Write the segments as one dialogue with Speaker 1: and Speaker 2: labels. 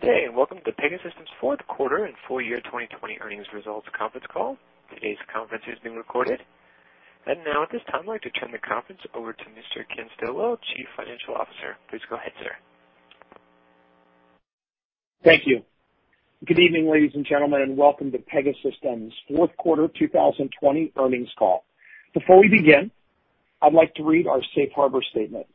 Speaker 1: Good day, welcome to Pegasystems' fourth quarter and full year 2020 earnings results conference call. Today's conference is being recorded. Now at this time, I'd like to turn the conference over to Mr. Ken Stillwell, Chief Financial Officer. Please go ahead, sir.
Speaker 2: Thank you. Good evening, ladies and gentlemen, and welcome to Pegasystems' fourth quarter 2020 earnings call. Before we begin, I'd like to read our safe harbor statement.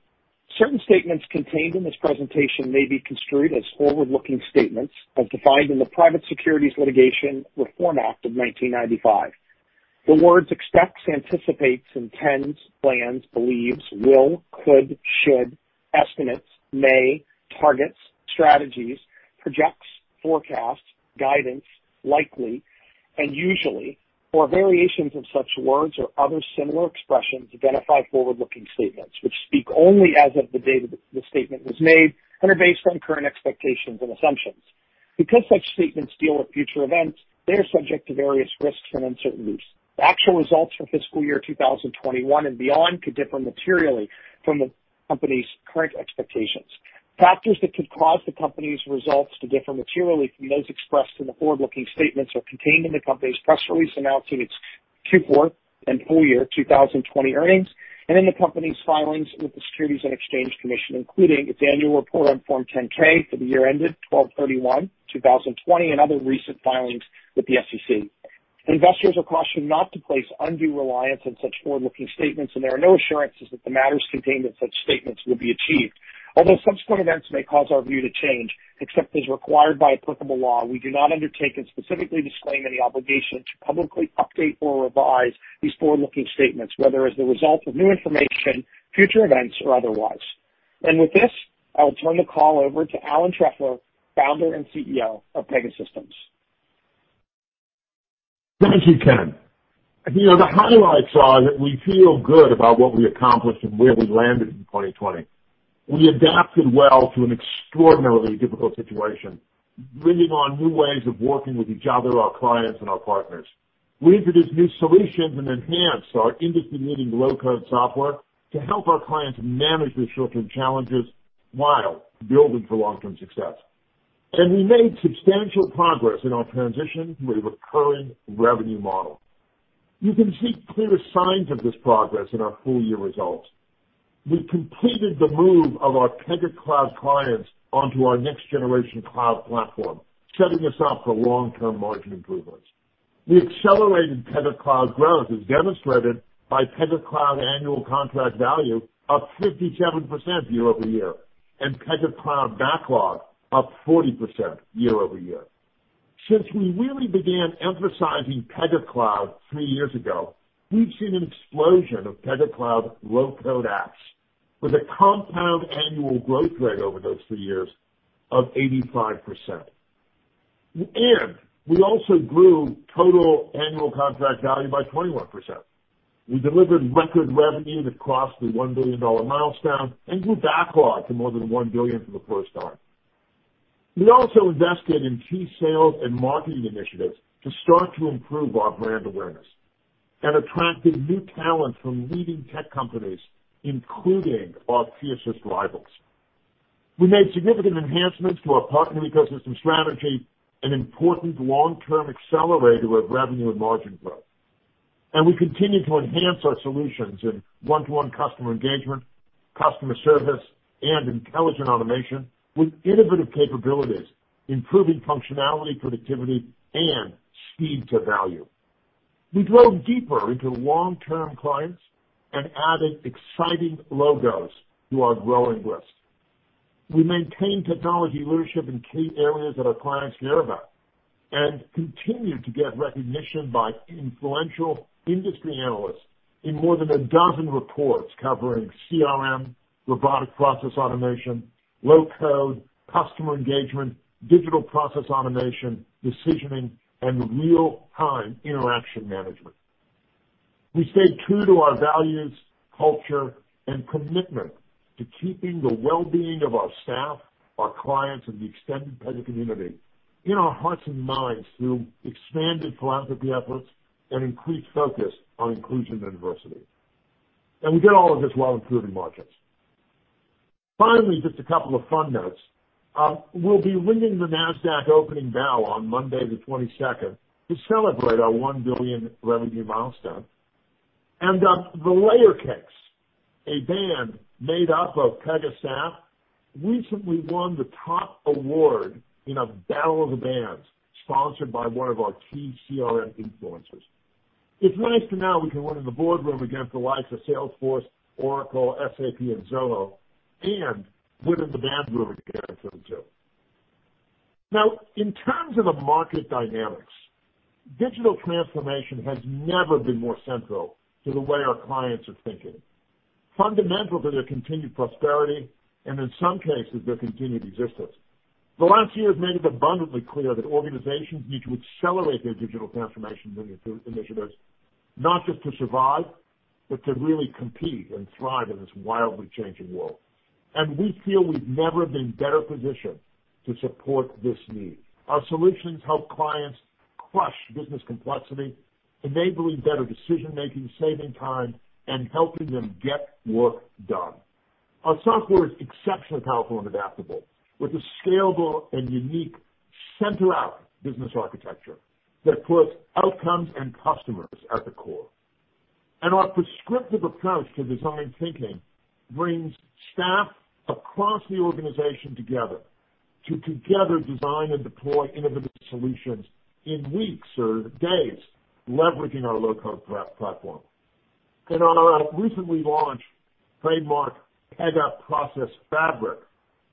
Speaker 2: Certain statements contained in this presentation may be construed as forward-looking statements as defined in the Private Securities Litigation Reform Act of 1995. The words "expects," "anticipates," "intends," "plans," "believes," "will," "could," "should," "estimates," "may," "targets," "strategies," "projects," "forecasts," "guidance," "likely," and "usually," or variations of such words or other similar expressions identify forward-looking statements, which speak only as of the date the statement was made and are based on current expectations and assumptions. Because such statements deal with future events, they are subject to various risks and uncertainties. The actual results for fiscal year 2021 and beyond could differ materially from the company's current expectations. Factors that could cause the company's results to differ materially from those expressed in the forward-looking statements are contained in the company's press release announcing its Q4 and full year 2020 earnings and in the company's filings with the Securities and Exchange Commission, including its annual report on Form 10-K for the year ended 12/31/2020 and other recent filings with the SEC. Investors are cautioned not to place undue reliance on such forward-looking statements, and there are no assurances that the matters contained in such statements will be achieved. Although subsequent events may cause our view to change, except as required by applicable law, we do not undertake and specifically disclaim any obligation to publicly update or revise these forward-looking statements, whether as the result of new information, future events, or otherwise. With this, I will turn the call over to Alan Trefler, Founder and CEO of Pegasystems.
Speaker 3: Thank you, Ken. The highlights are that we feel good about what we accomplished and where we landed in 2020. We adapted well to an extraordinarily difficult situation, bringing on new ways of working with each other, our clients, and our partners. We introduced new solutions and enhanced our industry-leading low-code software to help our clients manage the short-term challenges while building for long-term success. We made substantial progress in our transition to a recurring revenue model. You can see clear signs of this progress in our full-year results. We completed the move of our Pega Cloud clients onto our next-generation cloud platform, setting us up for long-term margin improvements. We accelerated Pega Cloud growth, as demonstrated by Pega Cloud annual contract value up 57% year-over-year, and Pega Cloud backlog up 40% year-over-year. Since we really began emphasizing Pega Cloud three years ago, we've seen an explosion of Pega Cloud low-code apps with a compound annual growth rate over those three years of 85%. We also grew total annual contract value by 21%. We delivered record revenue that crossed the $1 billion milestone and grew backlog to more than $1 billion for the first time. We also invested in key sales and marketing initiatives to start to improve our brand awareness and attracted new talent from leading tech companies, including our fiercest rivals. We made significant enhancements to our partner ecosystem strategy, an important long-term accelerator of revenue and margin growth. We continued to enhance our solutions in one-to-one customer engagement, customer service, and intelligent automation with innovative capabilities, improving functionality, productivity, and speed to value. We drove deeper into long-term clients and added exciting logos to our growing list. We maintained technology leadership in key areas that our clients care about and continued to get recognition by influential industry analysts in more than a dozen reports covering CRM, robotic process automation, low-code, customer engagement, digital process automation, decisioning, and real-time interaction management. We stayed true to our values, culture, and commitment to keeping the well-being of our staff, our clients, and the extended Pega community in our hearts and minds through expanded philanthropy efforts and increased focus on inclusion and diversity. We did all of this while improving margins. Finally, just a couple of fun notes. We'll be ringing the Nasdaq opening bell on Monday the 22nd to celebrate our $1 billion revenue milestone. The Layer Cakes, a band made up of Pega staff, recently won the top award in a battle of the bands sponsored by one of our key CRM influencers. It's nice to know we can win in the boardroom against the likes of Salesforce, Oracle, SAP, and Zoho, and win in the band room against them too. In terms of the market dynamics, digital transformation has never been more central to the way our clients are thinking, fundamental to their continued prosperity, and in some cases, their continued existence. The last year has made it abundantly clear that organizations need to accelerate their digital transformation initiatives, not just to survive, but to really compete and thrive in this wildly changing world. We feel we've never been better positioned to support this need. Our solutions help clients crush business complexity, enabling better decision-making, saving time, and helping them get work done. Our software is exceptionally powerful and adaptable, with a scalable and unique center-out business architecture that puts outcomes and customers at the core. Our prescriptive approach to design thinking brings staff across the organization together to design and deploy innovative solutions in weeks or days, leveraging our low-code platform. Our recently launched trademark Pega Process Fabric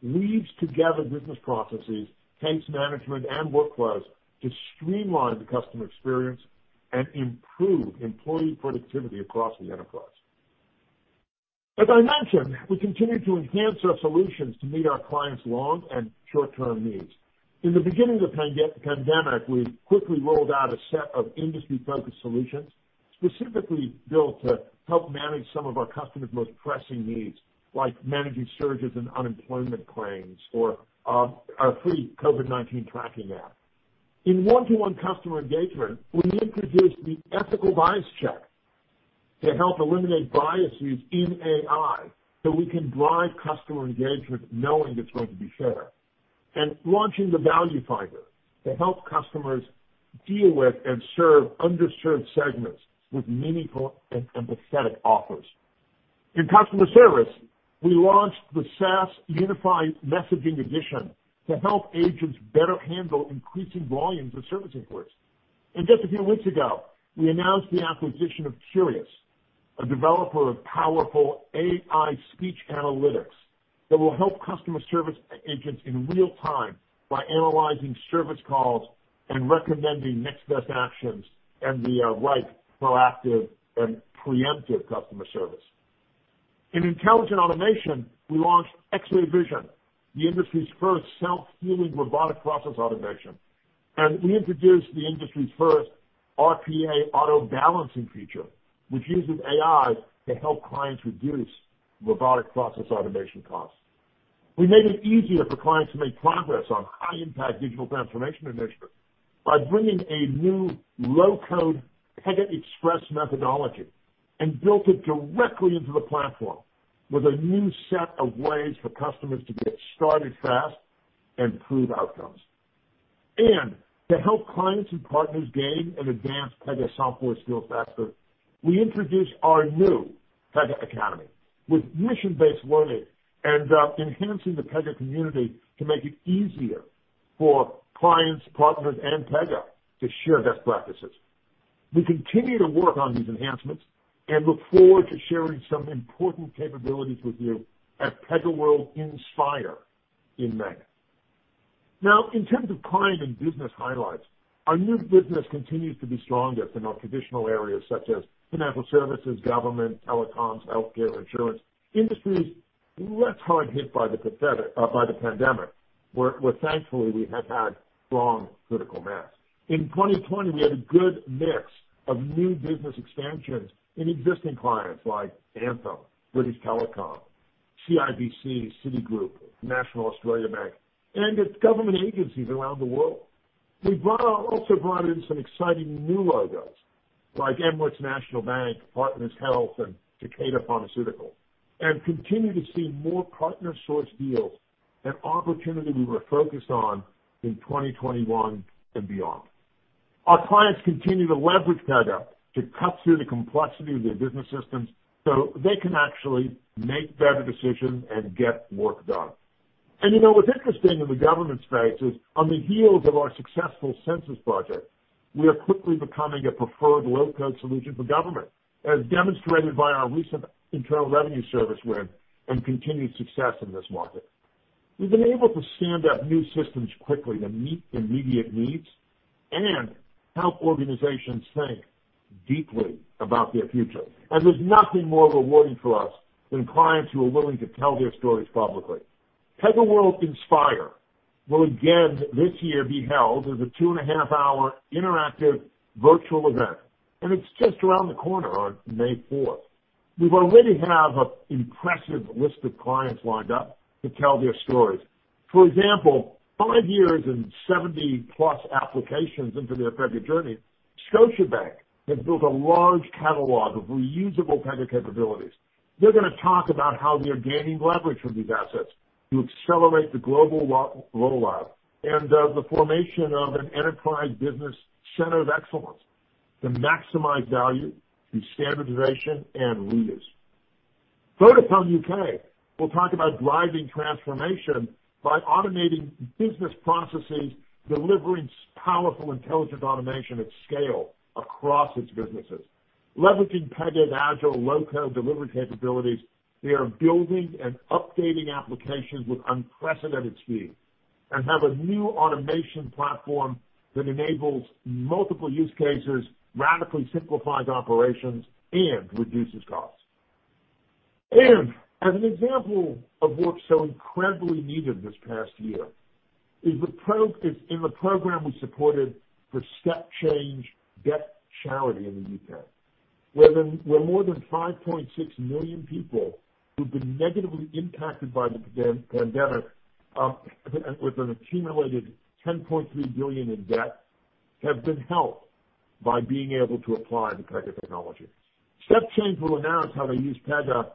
Speaker 3: weaves together business processes, case management, and workflows to streamline the customer experience and improve employee productivity across the enterprise. As I mentioned, we continue to enhance our solutions to meet our clients' long and short-term needs. In the beginning of the pandemic, we quickly rolled out a set of industry-focused solutions specifically built to help manage some of our customers' most pressing needs, like managing surges in unemployment claims or our free COVID-19 tracking app. In one-to-one customer engagement, we introduced the Ethical Bias Check to help eliminate biases in AI so we can drive customer engagement knowing it's going to be fair. Launching the ValueFinder to help customers deal with and serve underserved segments with meaningful and empathetic offers. In customer service, we launched the SaaS Unified Messaging Edition to help agents better handle increasing volumes of service inquiries. Just a few weeks ago, we announced the acquisition of Qurious, a developer of powerful AI speech analytics that will help customer service agents in real time by analyzing service calls and recommending next best actions and the right proactive and preemptive customer service. In intelligent automation, we launched X-ray Vision, the industry's first self-healing robotic process automation. We introduced the industry's first RPA auto-balancing feature, which uses AI to help clients reduce robotic process automation costs. We made it easier for clients to make progress on high-impact digital transformation initiatives by bringing a new low-code Pega Express methodology and built it directly into the platform with a new set of ways for customers to get started fast and improve outcomes. To help clients and partners gain and advance Pega software skills faster, we introduced our new Pega Academy with mission-based learning and enhancing the Pega community to make it easier for clients, partners, and Pega to share best practices. We continue to work on these enhancements and look forward to sharing some important capabilities with you at PegaWorld iNspire in May. Now, in terms of client and business highlights, our new business continues to be strongest in our traditional areas such as financial services, government, telecoms, healthcare, insurance, industries less hard hit by the pandemic, where thankfully we have had strong critical mass. In 2020, we had a good mix of new business expansions in existing clients like Anthem, British Telecom, CIBC, Citigroup, National Australia Bank, and at government agencies around the world. We've also brought in some exciting new logos like Emirates NBD, Partners HealthCare, and Takeda Pharmaceutical, and continue to see more partner-sourced deals, an opportunity we're focused on in 2021 and beyond. Our clients continue to leverage Pega to cut through the complexity of their business systems so they can actually make better decisions and get work done. You know what's interesting in the government space is on the heels of our successful census project, we are quickly becoming a preferred low-code solution for government, as demonstrated by our recent Internal Revenue Service win and continued success in this market. We've been able to stand up new systems quickly to meet immediate needs and help organizations think deeply about their future. There's nothing more rewarding for us than clients who are willing to tell their stories publicly. PegaWorld iNspire will again this year be held as a two-and-a-half-hour interactive virtual event, and it's just around the corner on May fourth. We already have an impressive list of clients lined up to tell their stories. For example, five years and 70 plus applications into their Pega journey, Scotiabank has built a large catalog of reusable Pega capabilities. They're going to talk about how they're gaining leverage from these assets to accelerate the global rollout and the formation of an enterprise business center of excellence to maximize value through standardization and reuse. Vodafone UK will talk about driving transformation by automating business processes, delivering powerful intelligent automation at scale across its businesses. Leveraging Pega's agile low-code delivery capabilities, they are building and updating applications with unprecedented speed and have a new automation platform that enables multiple use cases, radically simplifies operations, and reduces costs. As an example of work so incredibly needed this past year is in the program we supported for StepChange Debt Charity in the U.K. Where more than 5.6 million people who've been negatively impacted by the pandemic, with an accumulated $10.3 billion in debt, have been helped by being able to apply the Pega technology. StepChange will announce how they used Pega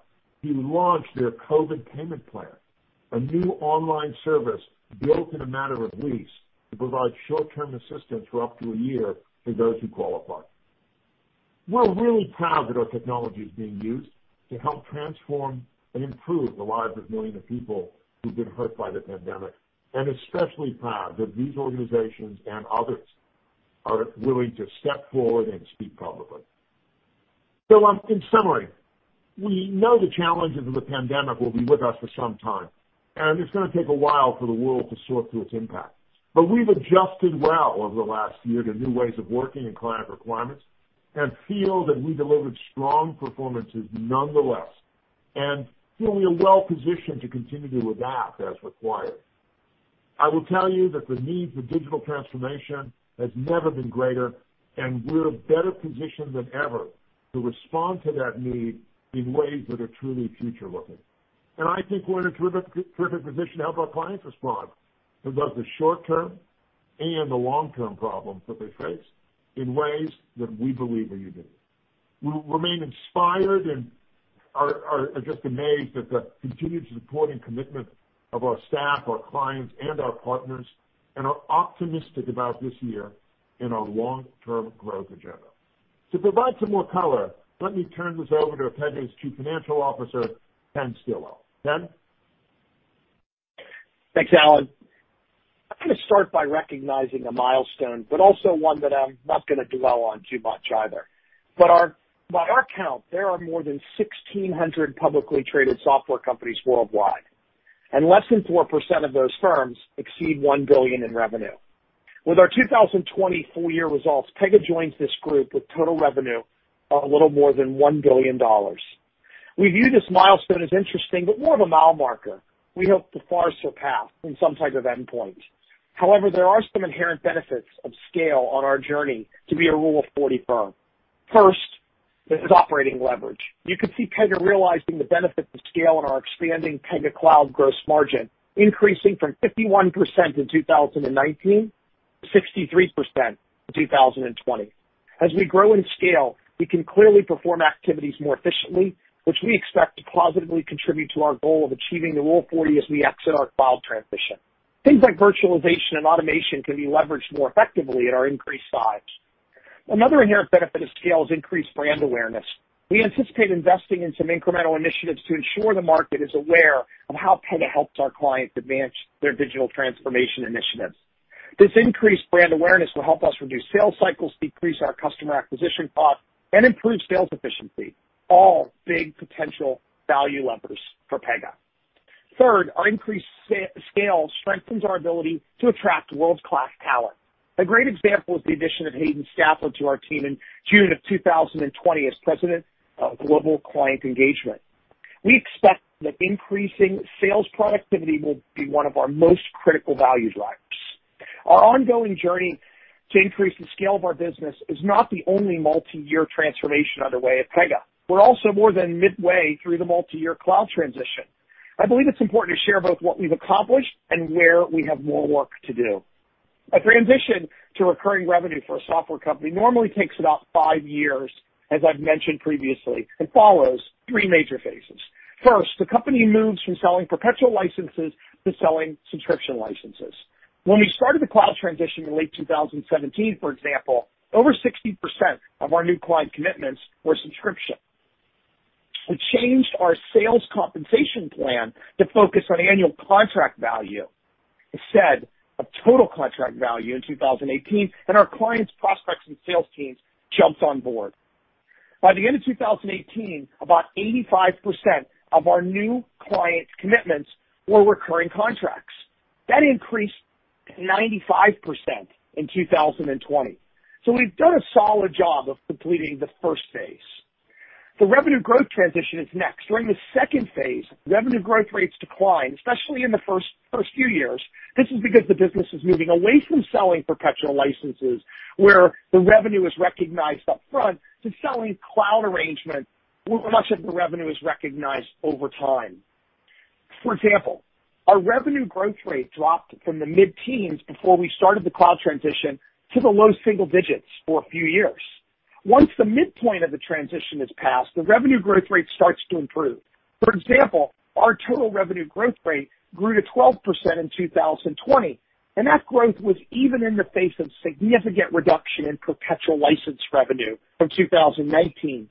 Speaker 3: to launch their COVID Payment Plan, a new online service built in a matter of weeks to provide short-term assistance for up to a year for those who qualify. We're really proud that our technology is being used to help transform and improve the lives of millions of people who've been hurt by the pandemic, and especially proud that these organizations and others are willing to step forward and speak publicly. In summary, we know the challenges of the pandemic will be with us for some time, and it's going to take a while for the world to sort through its impact. We've adjusted well over the last year to new ways of working and client requirements and feel that we delivered strong performances nonetheless, and feel we are well-positioned to continue to adapt as required. I will tell you that the need for digital transformation has never been greater, and we're better positioned than ever to respond to that need in ways that are truly future-looking. I think we're in a terrific position to help our clients respond to both the short-term and the long-term problems that they face in ways that we believe are unique. We remain inspired and are just amazed at the continued support and commitment of our staff, our clients, and our partners, and are optimistic about this year and our long-term growth agenda. To provide some more color, let me turn this over to Pega's Chief Financial Officer, Ken Stillwell. Ken?
Speaker 2: Thanks, Alan. I'm going to start by recognizing a milestone, but also one that I'm not going to dwell on too much either. By our count, there are more than 1,600 publicly traded software companies worldwide, and less than 4% of those firms exceed $1 billion in revenue. With our 2020 full year results, Pega joins this group with total revenue a little more than $1 billion. We view this milestone as interesting, but more of a mile marker we hope to far surpass than some type of endpoint. However, there are some inherent benefits of scale on our journey to be a Rule of 40 firm. First, there's operating leverage. You can see Pega realizing the benefits of scale in our expanding Pega Cloud gross margin, increasing from 51% in 2019 to 63% in 2020. As we grow in scale, we can clearly perform activities more efficiently, which we expect to positively contribute to our goal of achieving the Rule of 40 as we exit our cloud transition. Things like virtualization and automation can be leveraged more effectively at our increased size. Another inherent benefit of scale is increased brand awareness. We anticipate investing in some incremental initiatives to ensure the market is aware of how Pega helps our clients advance their digital transformation initiatives. This increased brand awareness will help us reduce sales cycles, decrease our customer acquisition costs, and improve sales efficiency. All big potential value levers for Pega. Third, our increased scale strengthens our ability to attract world-class talent. A great example is the addition of Hayden Stafford to our team in June of 2020 as President of Global Client Engagement. We expect that increasing sales productivity will be one of our most critical value drivers. Our ongoing journey to increase the scale of our business is not the only multi-year transformation underway at Pega. We're also more than midway through the multi-year cloud transition. I believe it's important to share both what we've accomplished and where we have more work to do. A transition to recurring revenue for a software company normally takes about five years, as I've mentioned previously, and follows three major phases. First, the company moves from selling perpetual licenses to selling subscription licenses. When we started the cloud transition in late 2017, for example, over 60% of our new client commitments were subscription. We changed our sales compensation plan to focus on annual contract value instead of total contract value in 2018, and our clients, prospects, and sales teams jumped on board. By the end of 2018, about 85% of our new clients' commitments were recurring contracts. That increased to 95% in 2020. We've done a solid job of completing the first phase. The revenue growth transition is next. During the second phase, revenue growth rates decline, especially in the first few years. This is because the business is moving away from selling perpetual licenses, where the revenue is recognized upfront, to selling cloud arrangements, where much of the revenue is recognized over time. Our revenue growth rate dropped from the mid-teens before we started the cloud transition to the low single digits for a few years. Once the midpoint of the transition is passed, the revenue growth rate starts to improve. For example, our total revenue growth rate grew to 12% in 2020. That growth was even in the face of significant reduction in perpetual license revenue from 2019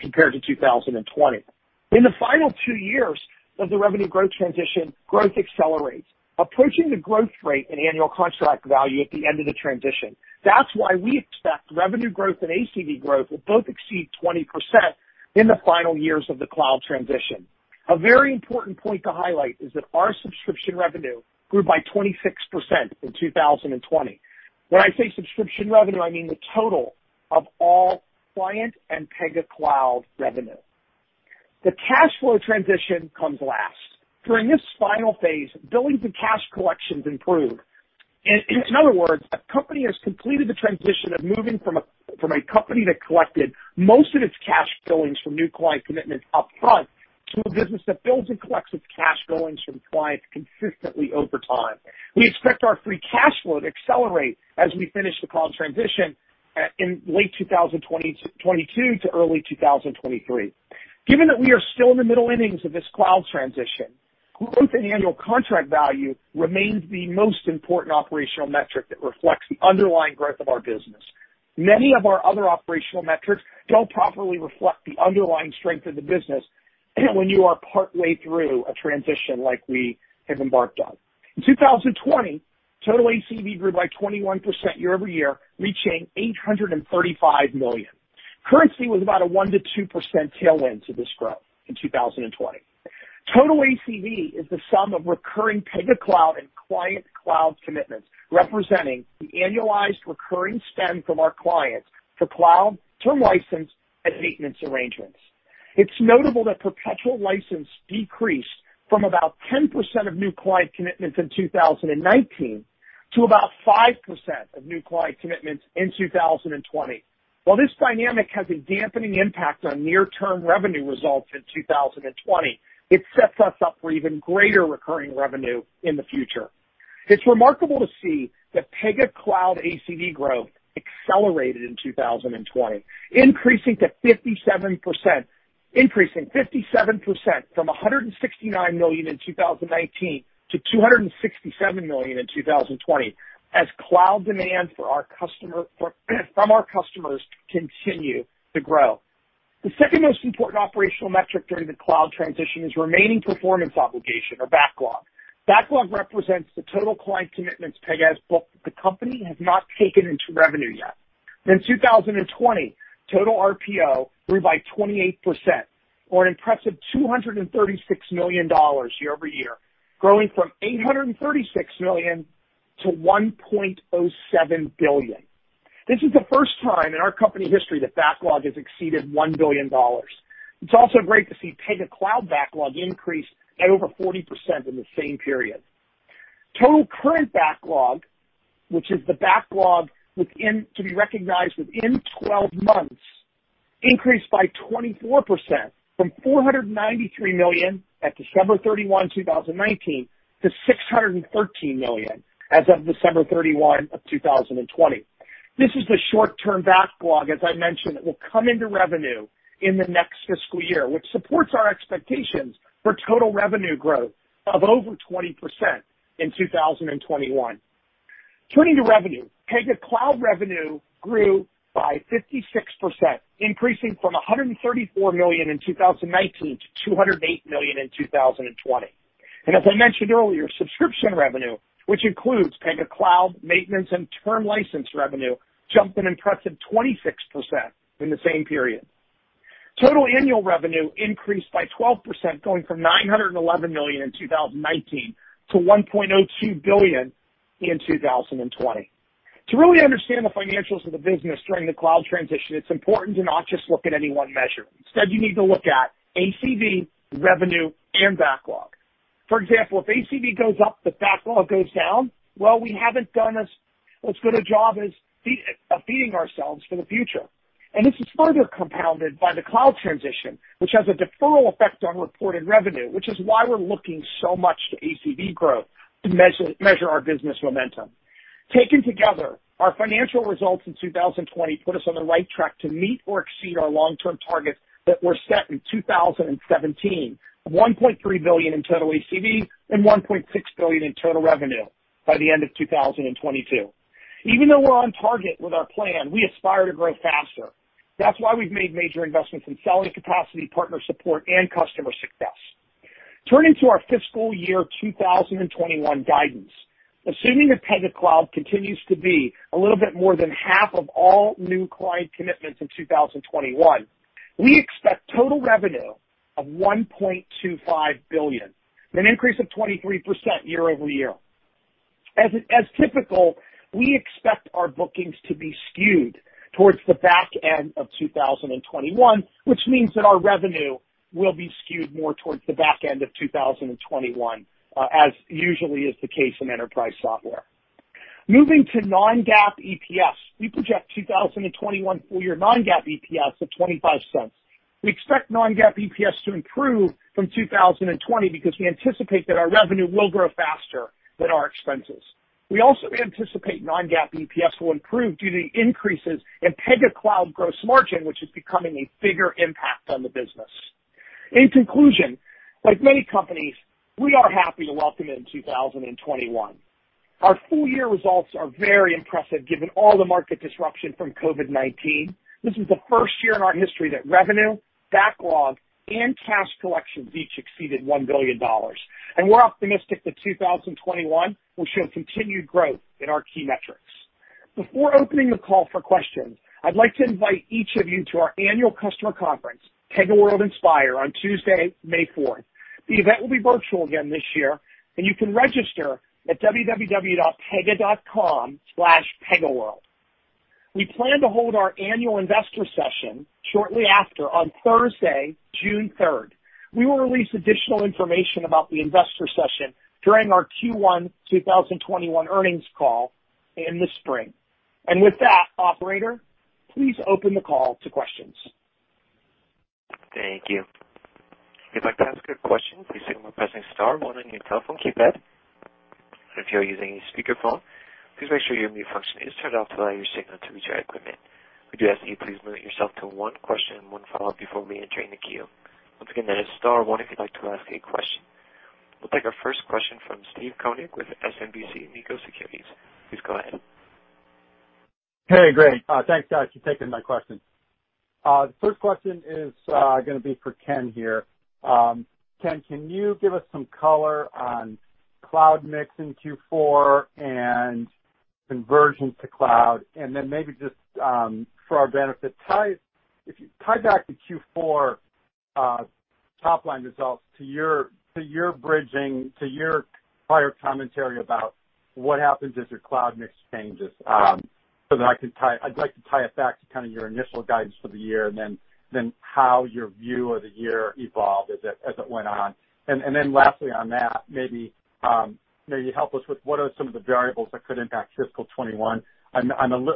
Speaker 2: compared to 2020. In the final two years of the revenue growth transition, growth accelerates, approaching the growth rate and annual contract value at the end of the transition. That's why we expect revenue growth and ACV growth will both exceed 20% in the final years of the cloud transition. A very important point to highlight is that our subscription revenue grew by 26% in 2020. When I say subscription revenue, I mean the total of all client and Pega Cloud revenue. The cash flow transition comes last. During this final phase, billings and cash collections improve. In other words, a company has completed the transition of moving from a company that collected most of its cash billings from new client commitments upfront to a business that bills and collects its cash billings from clients consistently over time. We expect our free cash flow to accelerate as we finish the cloud transition in late 2022 to early 2023. Given that we are still in the middle innings of this cloud transition, growth in annual contract value remains the most important operational metric that reflects the underlying growth of our business. Many of our other operational metrics don't properly reflect the underlying strength of the business when you are partway through a transition like we have embarked on. In 2020, total ACV grew by 21% year-over-year, reaching $835 million. Currency was about a 1%-2% tailwind to this growth in 2020. Total ACV is the sum of recurring Pega Cloud and client cloud commitments, representing the annualized recurring spend from our clients for cloud, term license, and maintenance arrangements. It's notable that perpetual license decreased from about 10% of new client commitments in 2019 to about 5% of new client commitments in 2020. While this dynamic has a dampening impact on near-term revenue results in 2020, it sets us up for even greater recurring revenue in the future. It's remarkable to see that Pega Cloud ACV growth accelerated in 2020, increasing 57% from $169 million in 2019-$267 million in 2020 as cloud demand from our customers continue to grow. The second most important operational metric during the cloud transition is remaining performance obligation or backlog. Backlog represents the total client commitments Pega has booked that the company has not taken into revenue yet. In 2020, total RPO grew by 28%, or an impressive $236 million year-over-year, growing from $836 million-$1.07 billion. This is the first time in our company history that backlog has exceeded $1 billion. It is also great to see Pega Cloud backlog increase at over 40% in the same period. Total current backlog, which is the backlog to be recognized within 12 months, increased by 24%, from $493 million at December 31, 2019,-$613 million as of December 31 of 2020. This is the short-term backlog, as I mentioned, that will come into revenue in the next fiscal year, which supports our expectations for total revenue growth of over 20% in 2021. Turning to revenue, Pega Cloud revenue grew by 56%, increasing from $134 million in 2019- $208 million in 2020. As I mentioned earlier, subscription revenue, which includes Pega Cloud maintenance and term license revenue, jumped an impressive 26% in the same period. Total annual revenue increased by 12%, going from $911 million in 2019-$1.02 billion in 2020. To really understand the financials of the business during the cloud transition, it's important to not just look at any one measure. Instead, you need to look at ACV, revenue, and backlog. For example, if ACV goes up, but backlog goes down, well, we haven't done as good a job as feeding ourselves for the future. This is further compounded by the cloud transition, which has a deferral effect on reported revenue, which is why we're looking so much to ACV growth to measure our business momentum. Taken together, our financial results in 2020 put us on the right track to meet or exceed our long-term targets that were set in 2017 of $1.3 billion in total ACV and $1.6 billion in total revenue by the end of 2022. Even though we're on target with our plan, we aspire to grow faster. That's why we've made major investments in selling capacity, partner support, and customer success. Turning to our fiscal year 2021 guidance, assuming that Pega Cloud continues to be a little bit more than half of all new client commitments in 2021, we expect total revenue of $1.25 billion, an increase of 23% year-over-year. As typical, we expect our bookings to be skewed towards the back end of 2021, which means that our revenue will be skewed more towards the back end of 2021, as usually is the case in enterprise software. Moving to non-GAAP EPS, we project 2021 full-year non-GAAP EPS of $0.25. We expect non-GAAP EPS to improve from 2020 because we anticipate that our revenue will grow faster than our expenses. We also anticipate non-GAAP EPS will improve due to increases in Pega Cloud gross margin, which is becoming a bigger impact on the business. In conclusion, like many companies, we are happy to welcome in 2021. Our full-year results are very impressive given all the market disruption from COVID-19. This is the first year in our history that revenue, backlog, and cash collections each exceeded $1 billion. We're optimistic that 2021 will show continued growth in our key metrics. Before opening the call for questions, I'd like to invite each of you to our annual customer conference, PegaWorld iNspire, on Tuesday, May 4th. The event will be virtual again this year, and you can register at www.pega.com/PegaWorld. We plan to hold our annual investor session shortly after, on Thursday, June 3rd. We will release additional information about the investor session during our Q1 2021 earnings call in the spring. With that, operator, please open the call to questions.
Speaker 1: Thank you. If you would like to ask a question, please signal by pressing star one on your telephone keypad. If you are using a speakerphone, please make sure your mute function is turned off to allow your signal to reach our equipment. We do ask that you please limit yourself to one question and one follow-up before reentering the queue. Once again, that is star one if you would like to ask a question. We will take our first question from Steve Enders with SMBC Nikko Securities. Please go ahead.
Speaker 4: Hey, great. Thanks, guys, for taking my question. The first question is going to be for Ken here. Ken, can you give us some color on cloud mix in Q4 and conversion to cloud? Maybe just for our benefit, if you tie back the Q4 top-line results to your bridging, to your prior commentary about what happens as your cloud mix changes, so that I'd like to tie it back to kind of your initial guidance for the year, and then how your view of the year evolved as it went on. Lastly on that, maybe you help us with what are some of the variables that could impact fiscal 2021. I'm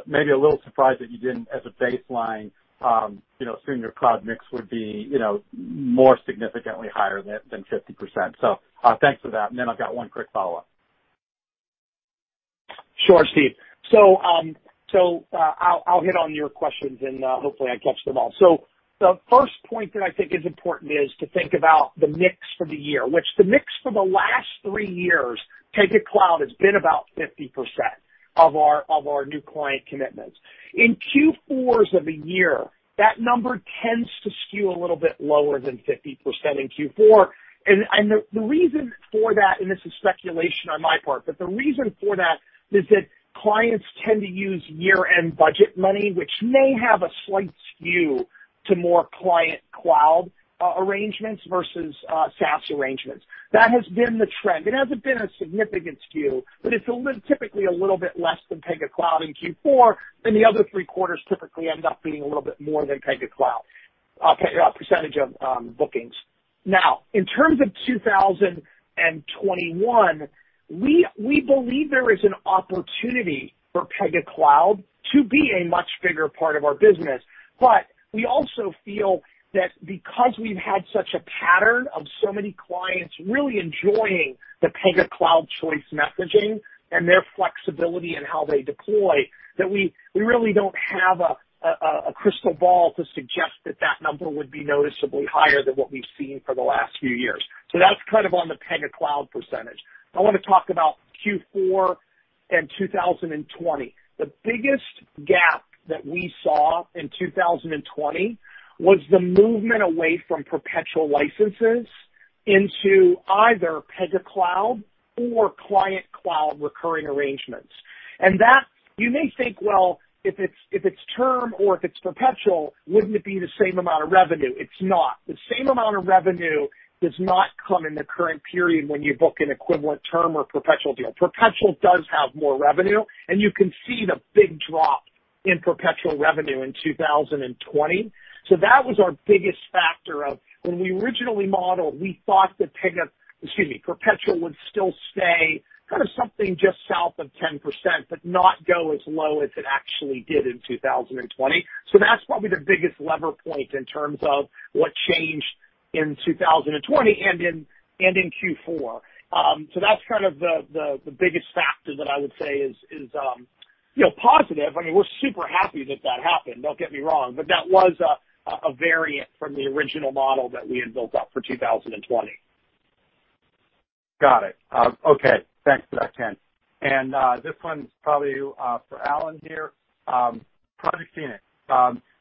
Speaker 4: maybe a little surprised that you didn't, as a baseline, assume your cloud mix would be more significantly higher than 50%. Thanks for that. I've got one quick follow-up.
Speaker 2: Sure, Steve. I'll hit on your questions, and hopefully, I catch them all. The first point that I think is important is to think about the mix for the year, which the mix for the last three years, Pega Cloud, has been about 50% of our new client commitments. In Q4s of a year, that number tends to skew a little bit lower than 50% in Q4. The reason for that, and this is speculation on my part, but the reason for that is that clients tend to use year-end budget money, which may have a slight skew to more client cloud arrangements versus SaaS arrangements. That has been the trend. It hasn't been a significant skew, but it's typically a little bit less than Pega Cloud in Q4, then the other three quarters typically end up being a little bit more than Pega Cloud percentage of bookings. In terms of 2021, we believe there is an opportunity for Pega Cloud to be a much bigger part of our business. We also feel that because we've had such a pattern of so many clients really enjoying the Pega Cloud choice messaging and their flexibility in how they deploy, that we really don't have a crystal ball to suggest that that number would be noticeably higher than what we've seen for the last few years. That's kind of on the Pega Cloud percentage. I want to talk about Q4 and 2020. The biggest gap that we saw in 2020 was the movement away from perpetual licenses into either Pega Cloud or client cloud recurring arrangements. That, you may think, well, if it's term or if it's perpetual, wouldn't it be the same amount of revenue? It's not. The same amount of revenue does not come in the current period when you book an equivalent term or perpetual deal. Perpetual does have more revenue, you can see the big drop in perpetual revenue in 2020. That was our biggest factor of when we originally modeled, we thought that Pega, excuse me, perpetual would still stay kind of something just south of 10%, but not go as low as it actually did in 2020. That's probably the biggest lever point in terms of what changed in 2020 and in Q4. That's kind of the biggest factor that I would say is positive. I mean, we're super happy that that happened, don't get me wrong, but that was a variant from the original model that we had built up for 2020.
Speaker 4: Got it. Okay. Thanks for that, Ken. This one's probably for Alan here. Project Phoenix.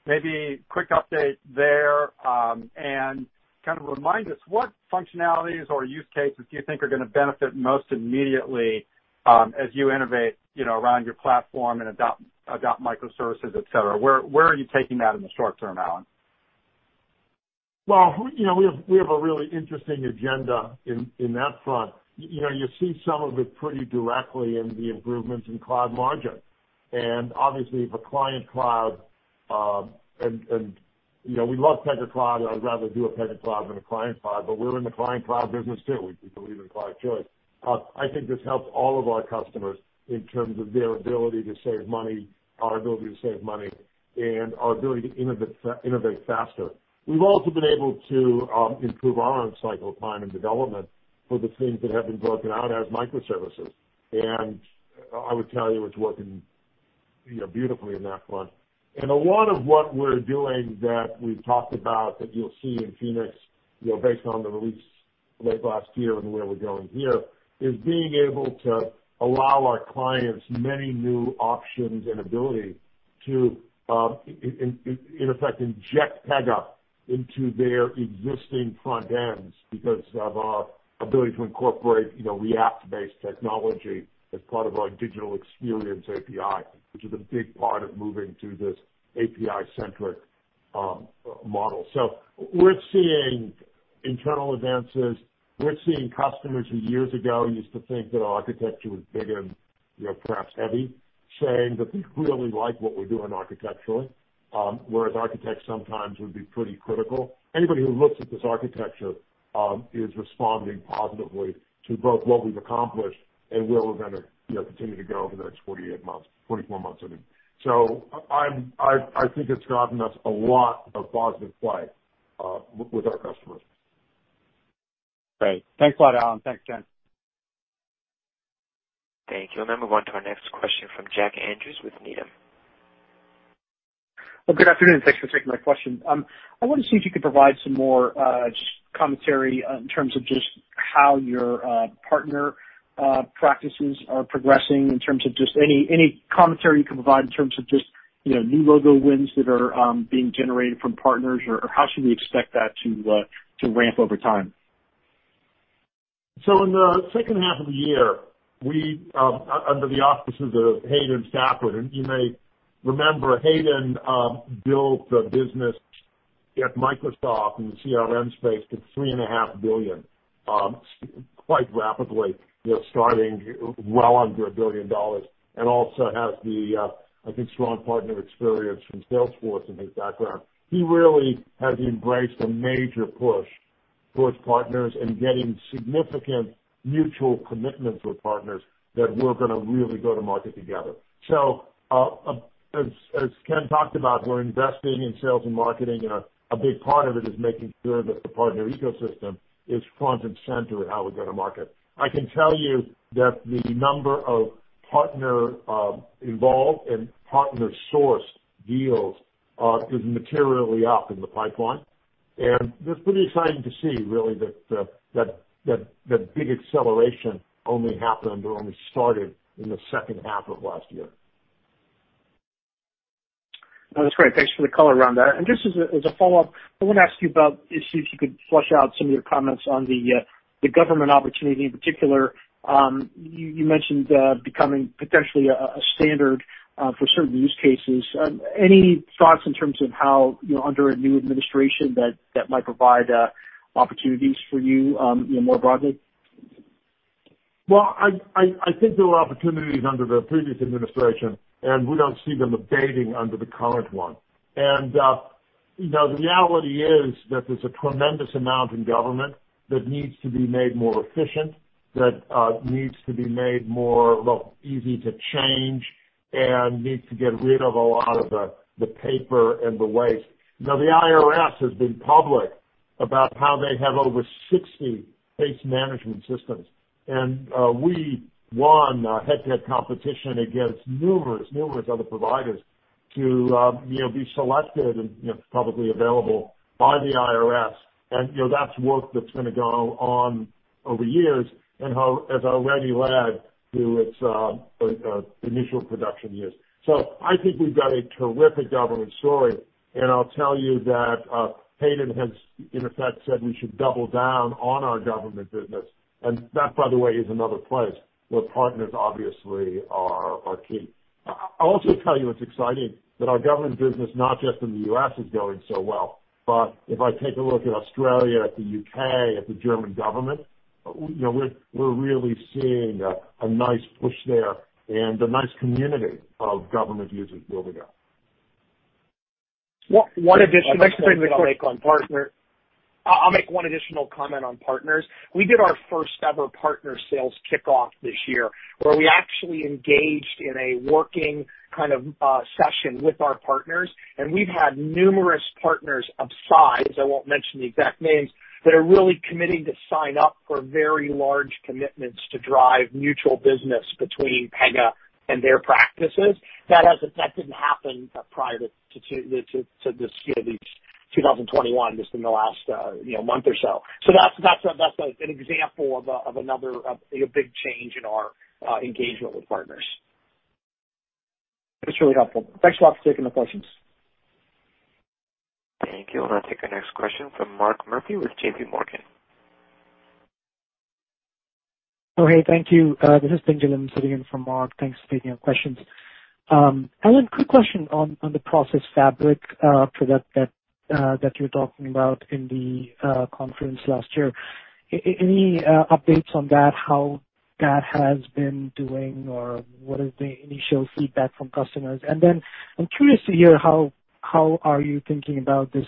Speaker 4: Maybe a quick update there, and kind of remind us what functionalities or use cases do you think are going to benefit most immediately as you innovate around your platform and adopt microservices, et cetera. Where are you taking that in the short term, Alan?
Speaker 3: Well, we have a really interesting agenda in that front. You see some of it pretty directly in the improvements in cloud margin. Obviously, the client cloud, and we love Pega Cloud. I'd rather do a Pega Cloud than a client cloud, but we're in the client cloud business, too. We believe in cloud choice. I think this helps all of our customers in terms of their ability to save money, our ability to save money, and our ability to innovate faster. We've also been able to improve our own cycle time and development for the things that have been broken out as microservices. I would tell you it's working beautifully in that front. A lot of what we're doing that we've talked about that you'll see in Phoenix, based on the release late last year and where we're going here, is being able to allow our clients many new options and ability to, in effect, inject Pega into their existing front ends because of our ability to incorporate React-based technology as part of our Digital Experience API, which is a big part of moving to this API-centric model. We're seeing internal advances. We're seeing customers who years ago used to think that our architecture was big and perhaps heavy, saying that we really like what we're doing architecturally. Whereas architects sometimes would be pretty critical. Anybody who looks at this architecture is responding positively to both what we've accomplished and where we're going to continue to go over the next 48 months, 44 months, I mean. I think it's gotten us a lot of positive play with our customers.
Speaker 4: Great. Thanks a lot, Alan. Thanks, Ken.
Speaker 1: Thank you. We'll move on to our next question from Jack Andrews with Needham.
Speaker 5: Good afternoon. Thanks for taking my question. I wanted to see if you could provide some more, just commentary in terms of just how your partner practices are progressing in terms of just any commentary you can provide in terms of just new logo wins that are being generated from partners, or how should we expect that to ramp over time?
Speaker 3: In the second half of the year, under the offices of Hayden Stafford, and you may remember, Hayden built a business at Microsoft in the CRM space to $3.5 billion quite rapidly, starting well under $1 billion, and also has the, I think, strong partner experience from Salesforce in his background. He really has embraced a major push towards partners and getting significant mutual commitments with partners that we're going to really go to market together. As Ken talked about, we're investing in sales and marketing, and a big part of it is making sure that the partner ecosystem is front and center in how we go to market. I can tell you that the number of partner involved and partner sourced deals is materially up in the pipeline. That's pretty exciting to see really that the big acceleration only happened or only started in the second half of last year.
Speaker 5: That's great. Thanks for the color around that. Just as a follow-up, I want to ask you about if you could flush out some of your comments on the government opportunity in particular. You mentioned becoming potentially a standard for certain use cases. Any thoughts in terms of how under a new administration that might provide opportunities for you more broadly?
Speaker 3: Well, I think there were opportunities under the previous administration, and we don't see them abating under the current one. The reality is that there's a tremendous amount in government that needs to be made more efficient, that needs to be made more easy to change, and needs to get rid of a lot of the paper and the waste. Now, the IRS has been public about how they have over 60 case management systems, and we won a head-to-head competition against numerous other providers to be selected, and it's publicly available by the IRS. That's work that's going to go on over years. As I already led to its initial production years. I think we've got a terrific government story, and I'll tell you that Hayden has, in effect, said we should double down on our government business. That, by the way, is another place where partners obviously are key. I'll also tell you it's exciting that our government business, not just in the U.S., is going so well. If I take a look at Australia, at the U.K., at the German government, we're really seeing a nice push there and a nice community of government users building up.
Speaker 2: One additional. I just want to make a quick comment on partner. I'll make one additional comment on partners. We did our first-ever partner sales kickoff this year, where we actually engaged in a working kind of session with our partners. We've had numerous partners of size, I won't mention the exact names, that are really committing to sign up for very large commitments to drive mutual business between Pega and their practices. That didn't happen prior to this year, at least 2021, just in the last month or so. That's an example of another big change in our engagement with partners.
Speaker 5: That's really helpful. Thanks a lot for taking the questions.
Speaker 1: Thank you. We'll now take our next question from Mark Murphy with JPMorgan.
Speaker 6: Thank you. This is Thanjalan Sundaram from JPMorgan. Thanks for taking our questions. Alan, quick question on the Pega Process Fabric product that you were talking about in the conference last year. Any updates on that, how that has been doing or what is the initial feedback from customers? I'm curious to hear how are you thinking about this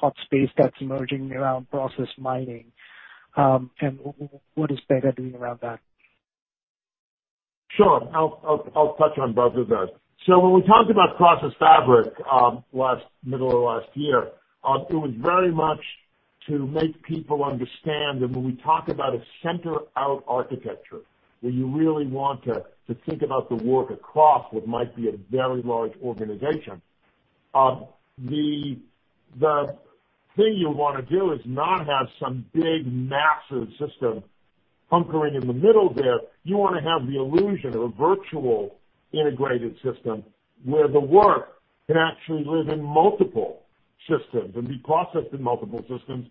Speaker 6: hot space that's emerging around process mining? What is Pega doing around that?
Speaker 3: Sure. I'll touch on both of those. When we talked about Pega Process Fabric middle of last year, it was very much to make people understand that when we talk about a Center-out business architecture where you really want to think about the work across what might be a very large organization. The thing you want to do is not have some big massive system hunkering in the middle there, you want to have the illusion of a virtual integrated system where the work can actually live in multiple systems and be processed in multiple systems,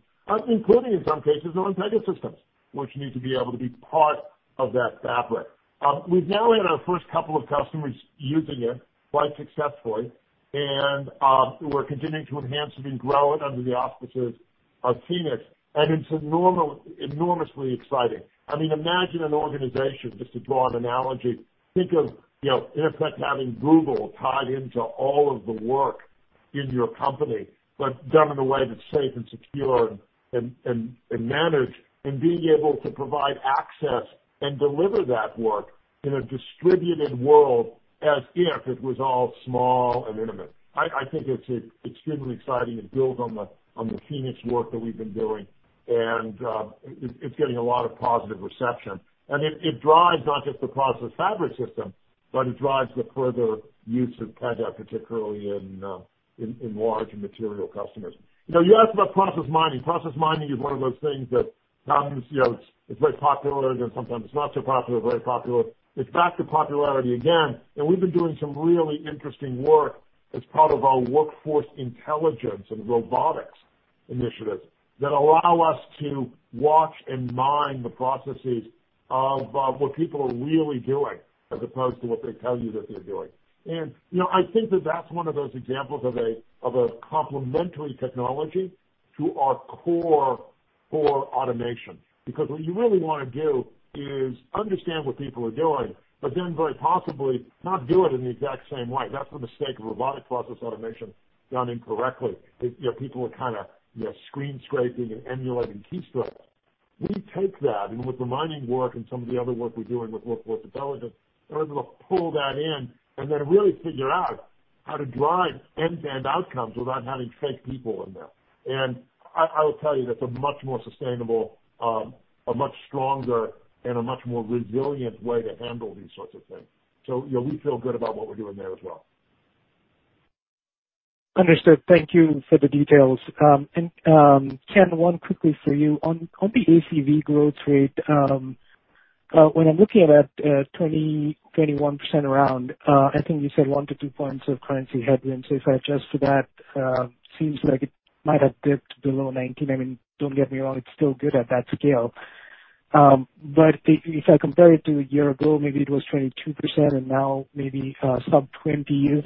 Speaker 3: including, in some cases, non-Pegasystems, which need to be able to be part of that fabric. We've now had our first couple of customers using it quite successfully, and we're continuing to enhance it and grow it under the auspices of Phoenix, and it's enormously exciting. Imagine an organization, just to draw an analogy, think of, in effect, having Google tied into all of the work in your company, but done in a way that's safe and secure and managed, and being able to provide access and deliver that work in a distributed world as if it was all small and intimate. I think it's extremely exciting. It builds on the Project Phoenix work that we've been doing. It's getting a lot of positive reception. It drives not just the Pega Process Fabric, but it drives the further use of Pega, particularly in large material customers. You asked about process mining. Process mining is one of those things that sometimes it's very popular, sometimes it's not so popular. It's back to popularity again. We've been doing some really interesting work as part of our workforce intelligence and robotics initiatives that allow us to watch and mine the processes of what people are really doing as opposed to what they tell you that they're doing. I think that that's one of those examples of a complementary technology to our core for automation. What you really want to do is understand what people are doing, but then very possibly not do it in the exact same way. That's the mistake of robotic process automation done incorrectly, that people are kind of screen scraping and emulating keystrokes. We take that, and with the mining work and some of the other work we're doing with workforce intelligence, and we're able to pull that in and then really figure out how to drive end-to-end outcomes without having fake people in there. I will tell you, that's a much more sustainable, a much stronger, and a much more resilient way to handle these sorts of things. We feel good about what we're doing there as well.
Speaker 6: Understood. Thank you for the details. Ken, one quickly for you. On the ACV growth rate, when I'm looking at that 20%-21% around, I think you said one to two points of currency headwinds. If I adjust to that, seems like it might have dipped below 19. Don't get me wrong, it's still good at that scale. If I compare it to a year ago, maybe it was 22% and now maybe sub 20.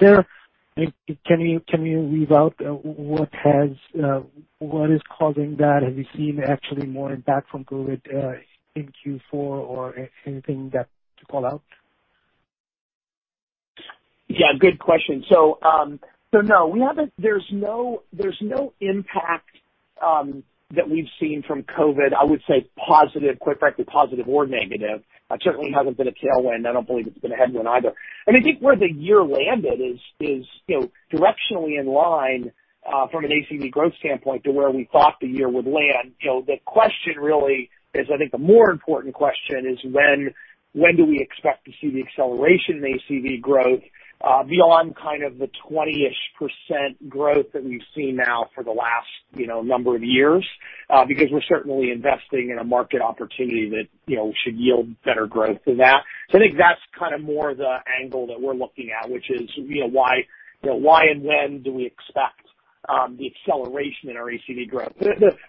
Speaker 6: Can you weave out what is causing that? Have you seen actually more impact from COVID in Q4 or anything to call out?
Speaker 2: No, there's no impact that we've seen from COVID, I would say, quite frankly, positive or negative. Certainly hasn't been a tailwind. I don't believe it's been a headwind either. I think where the year landed is directionally in line, from an ACV growth standpoint, to where we thought the year would land. The question really is, I think the more important question is when do we expect to see the acceleration in ACV growth beyond kind of the 20-ish% growth that we've seen now for the last number of years? We're certainly investing in a market opportunity that should yield better growth than that. I think that's kind of more the angle that we're looking at, which is why and when do we expect the acceleration in our ACV growth?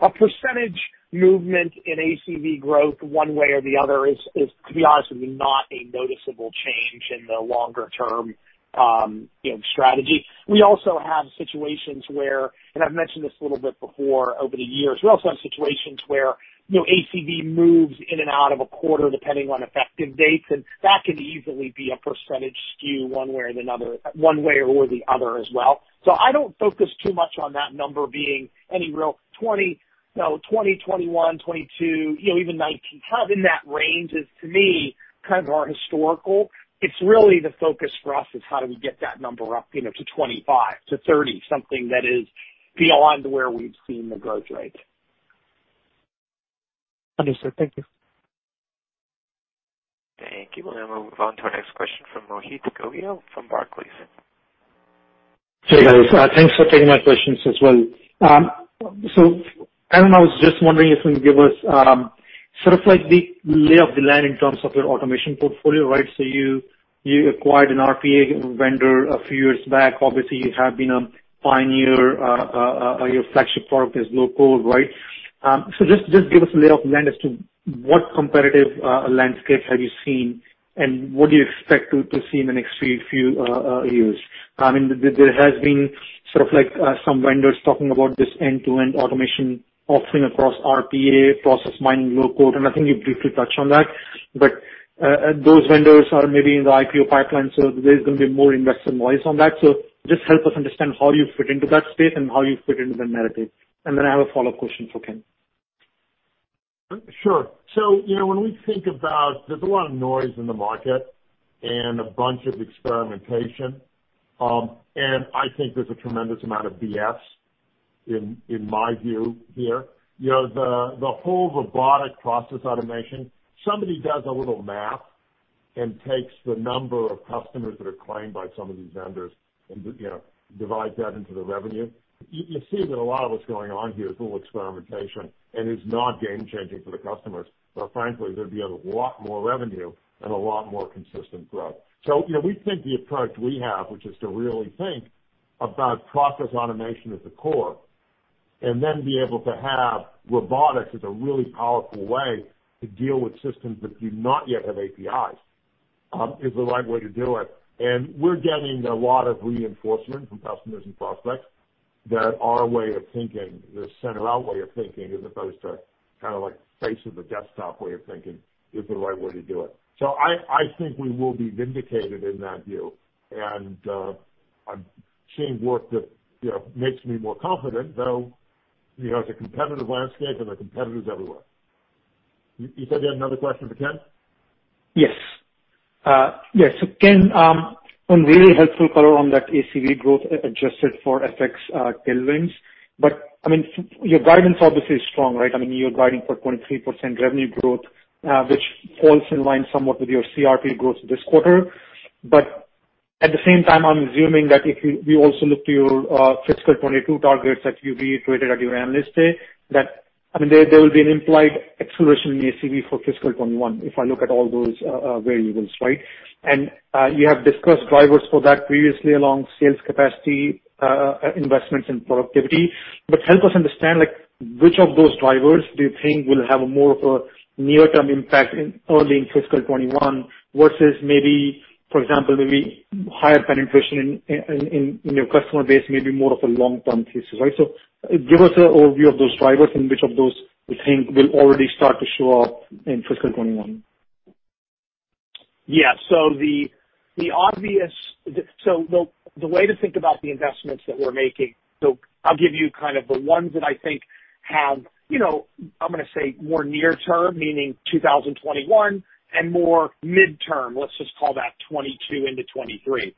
Speaker 2: A percentage movement in ACV growth one way or the other is, to be honest with you, not a noticeable change in the longer-term strategy. We also have situations where, and I've mentioned this a little bit before over the years, we also have situations where ACV moves in and out of a quarter depending on effective dates, and that can easily be a percentage skew one way or the other as well. I don't focus too much on that number being any real 20, 21, 22, even 19. Kind of in that range is to me, kind of our historical. It's really the focus for us is how do we get that number up to 25, to 30, something that is beyond where we've seen the growth rate.
Speaker 6: Understood. Thank you.
Speaker 1: Thank you. We'll now move on to our next question from Mohit Gogia from Barclays.
Speaker 7: Hey, guys. Thanks for taking my questions as well. Alan, I was just wondering if you can give us sort of like the lay of the land in terms of your automation portfolio. You acquired an RPA vendor a few years back. Obviously, you have been a pioneer. Your flagship product is low code, right? Just give us a lay of the land as to what competitive landscape have you seen, and what do you expect to see in the next few years? There has been some vendors talking about this end-to-end automation offering across RPA, process mining, low code, and I think you briefly touched on that. Those vendors are maybe in the IPO pipeline, so there's going to be more investor noise on that. Just help us understand how you fit into that space and how you fit into the narrative.
Speaker 3: I have a follow-up question for Ken. Sure. When we think about, there's a lot of noise in the market and a bunch of experimentation. I think there's a tremendous amount of BS in my view here. The whole robotic process automation, somebody does a little math and takes the number of customers that are claimed by some of these vendors and divides that into the revenue. You see that a lot of what's going on here is a little experimentation, and is not game-changing for the customers, but frankly, there'd be a lot more revenue and a lot more consistent growth. We think the approach we have, which is to really think about process automation at the core, and then be able to have robotics as a really powerful way to deal with systems that do not yet have APIs, is the right way to do it. We're getting a lot of reinforcement from customers and prospects that our way of thinking, the Center-out way of thinking, as opposed to kind of like face of the desktop way of thinking is the right way to do it. I think we will be vindicated in that view. I'm seeing work that makes me more confident, though, there's a competitive landscape and there are competitors everywhere. You said you had another question, Viken?
Speaker 7: Yes. Ken, on really helpful color on that ACV growth adjusted for FX tailwinds. Your guidance obviously is strong, right? You're guiding for 23% revenue growth, which falls in line somewhat with your CRPO growth this quarter. At the same time, I'm assuming that if we also look to your fiscal 2022 targets that you reiterated at your Analyst Day, that there will be an implied acceleration in ACV for fiscal 2021, if I look at all those variables, right? You have discussed drivers for that previously along sales capacity, investments in productivity. Help us understand which of those drivers do you think will have a more of a near-term impact early in fiscal 2021 versus maybe, for example, maybe higher penetration in your customer base, maybe more of a long-term thesis, right? Give us an overview of those drivers and which of those you think will already start to show up in fiscal 2021?
Speaker 2: Yeah. The way to think about the investments that we're making. I'll give you kind of the ones that I think have, I'm going to say more near term, meaning 2021, and more midterm, let's just call that 2022 into 2023.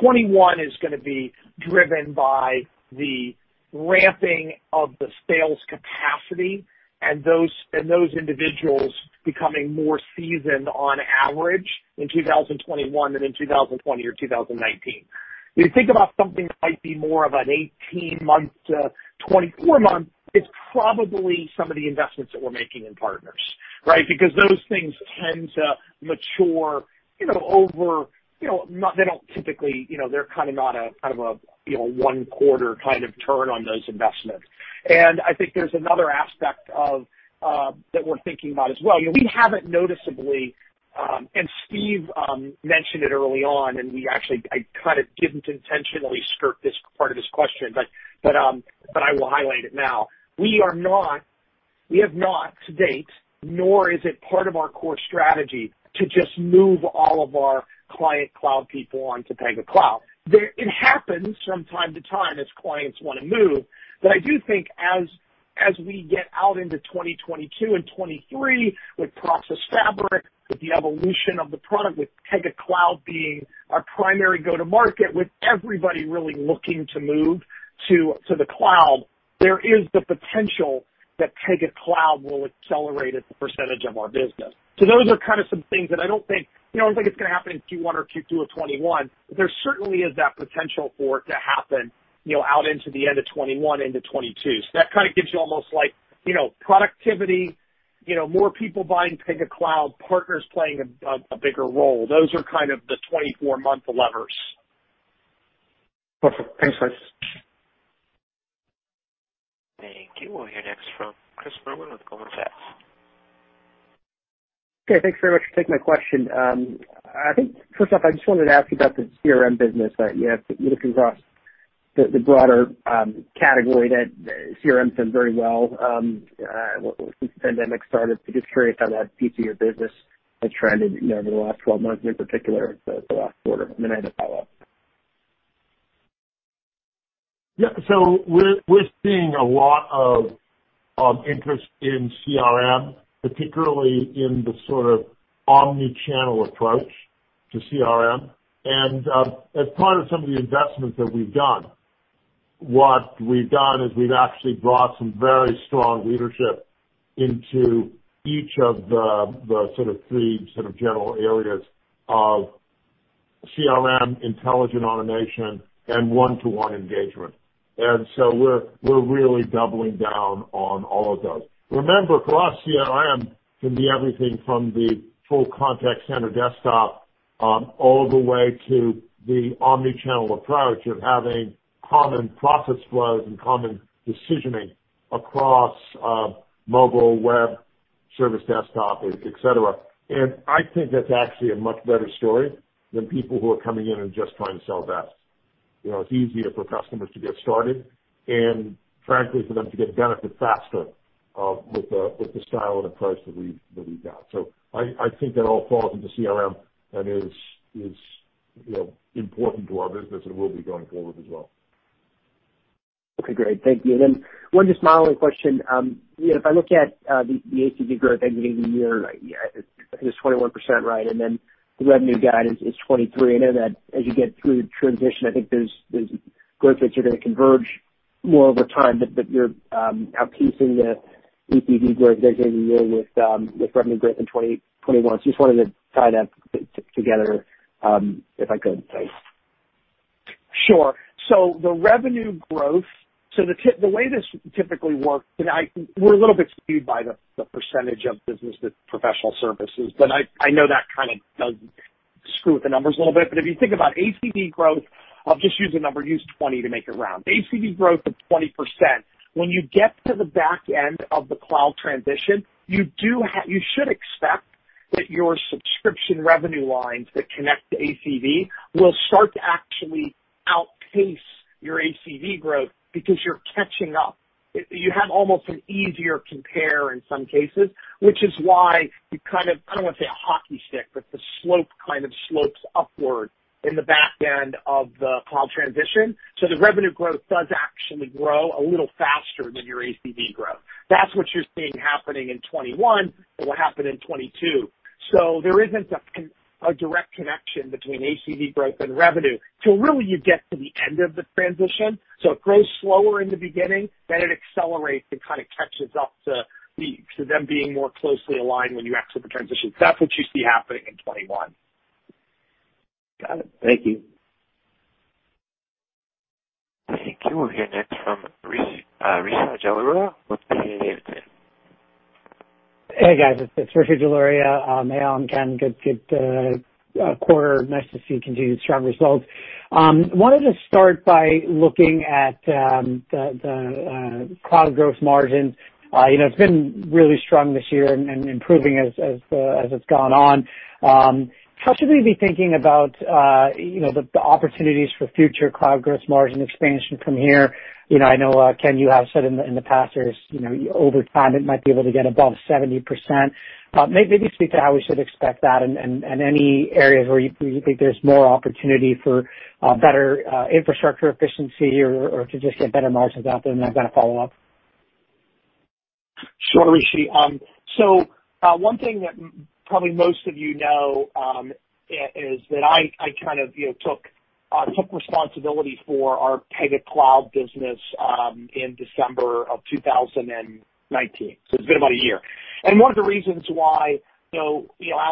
Speaker 2: 2021 is going to be driven by the ramping of the sales capacity and those individuals becoming more seasoned on average in 2021 than in 2020 or 2019. When you think about something that might be more of an 18-month to 24-month, it's probably some of the investments that we're making in partners, right? Those things tend to mature. They're kind of not a one quarter kind of turn on those investments. I think there's another aspect that we're thinking about as well. We haven't noticeably, and Steve mentioned it early on, and I kind of didn't intentionally skirt this part of this question, but I will highlight it now. We have not to date, nor is it part of our core strategy to just move all of our client cloud people onto Pega Cloud. It happens from time to time as clients want to move. I do think as we get out into 2022 and 2023 with Process Fabric, with the evolution of the product, with Pega Cloud being our primary go-to market, with everybody really looking to move to the cloud, there is the potential that Pega Cloud will accelerate as a percentage of our business. Those are kind of some things that I don't think it's going to happen in Q1 or Q2 of 2021. There certainly is that potential for it to happen out into the end of 2021 into 2022. That kind of gives you almost like productivity, more people buying Pega Cloud, partners playing a bigger role. Those are kind of the 24-month levers.
Speaker 7: Perfect. Thanks, guys.
Speaker 1: Thank you. We'll hear next from Chris Merwin with Goldman Sachs.
Speaker 8: Okay. Thanks very much for taking my question. I think first off, I just wanted to ask you about the CRM business that you have. Looking across the broader category, that CRM's done very well since the pandemic started. Just curious how that piece of your business has trended over the last 12 months, in particular the last quarter. I have a follow-up.
Speaker 3: Yeah. We're seeing a lot of interest in CRM, particularly in the sort of omni-channel approach to CRM. As part of some of the investments that we've done, what we've done is we've actually brought some very strong leadership into each of the sort of three sort of general areas of CRM, intelligent automation, and one-to-one engagement. We're really doubling down on all of those. Remember, for us, CRM can be everything from the full contact center desktop, all the way to the omni-channel approach of having common process flows and common decisioning across mobile, web, service desktop, et cetera. I think that's actually a much better story than people who are coming in and just trying to sell desks. It's easier for customers to get started and frankly, for them to get benefit faster with the style and approach that we've got. I think that all falls into CRM and is important to our business and will be going forward as well.
Speaker 8: Okay, great. Thank you. One just modeling question. If I look at the ACV growth end of the year, I think it's 21%, right? The revenue guidance is 23%. I know that as you get through the transition, I think those growth rates are going to converge more over time, but you're out pacing the ACV growth there year-over-year with revenue growth in 2021. Just wanted to tie that together, if I could, thanks.
Speaker 2: Sure. The revenue growth, so the way this typically works, and we're a little bit skewed by the percentage of business that professional services, but I know that kind of does screw with the numbers a little bit. If you think about ACV growth, I'll just use a number, use 20 to make it round. ACV growth of 20%, when you get to the back end of the cloud transition, you should expect that your subscription revenue lines that connect to ACV will start to actually outpace your ACV growth because you're catching up. You have almost an easier compare in some cases, which is why you kind of, I don't want to say a hockey stick, but the slope kind of slopes upward in the back end of the cloud transition. The revenue growth does actually grow a little faster than your ACV growth. That's what you're seeing happening in 2021, it will happen in 2022. There isn't a direct connection between ACV growth and revenue till really you get to the end of the transition. It grows slower in the beginning, then it accelerates and kind of catches up to them being more closely aligned when you exit the transition. That's what you see happening in 2021.
Speaker 8: Got it. Thank you.
Speaker 1: Thank you. We'll hear next from Rishi Jaluria with D.A. Davidson
Speaker 9: Hey, guys. It's Rishi Jaluria. Hey, Alan, Ken. Good quarter. Nice to see continued strong results. Wanted to start by looking at the cloud gross margin. It's been really strong this year and improving as it's gone on. How should we be thinking about the opportunities for future cloud gross margin expansion from here? I know, Ken, you have said in the past there's, over time, it might be able to get above 70%. Maybe speak to how we should expect that and any areas where you think there's more opportunity for better infrastructure efficiency or to just get better margins out there, and then I've got a follow-up.
Speaker 2: Sure, Rishi. One thing that probably most of you know is that I kind of took responsibility for our Pega Cloud business in December of 2019, so it's been about a year. One of the reasons why Al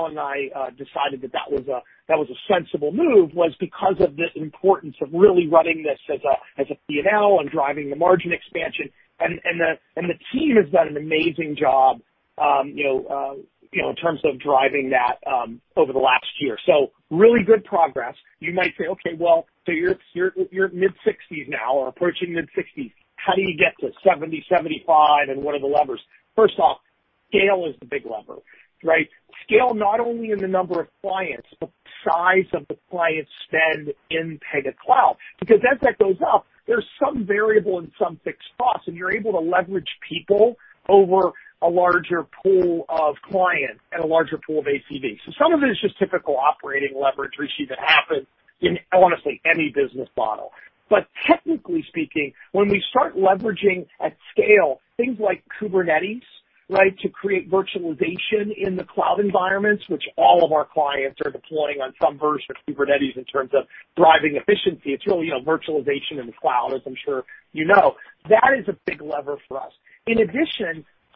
Speaker 2: and I decided that that was a sensible move was because of the importance of really running this as a P&L and driving the margin expansion. The team has done an amazing job in terms of driving that over the last year. Really good progress. You might say, okay, well, you're mid-60s now or approaching mid-60s. How do you get to 70, 75, and what are the levers? First off, scale is the big lever, right? Scale not only in the number of clients, but size of the client spend in Pega Cloud. Because as that goes up, there's some variable and some fixed costs, and you're able to leverage people over a larger pool of clients and a larger pool of ACV. Some of it is just typical operating leverage, Rishi, that happens in, honestly, any business model. Technically speaking, when we start leveraging at scale things like Kubernetes, right, to create virtualization in the cloud environments, which all of our clients are deploying on some version of Kubernetes in terms of driving efficiency. It's really virtualization in the cloud, as I'm sure you know. That is a big lever for us.